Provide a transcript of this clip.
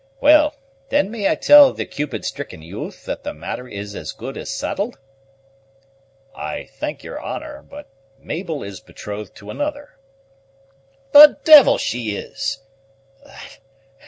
"Well, then may I tell the Cupid stricken youth that the matter is as good as settled?" "I thank your honor; but Mabel is betrothed to another." "The devil she is!